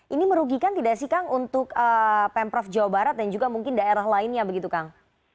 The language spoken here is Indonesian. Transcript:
ini merugikan tidak sih kang untuk pemprov jawa barat dan juga mungkin daerah lainnya begitu kang